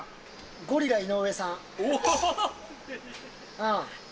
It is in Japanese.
ゴリラ井上さん。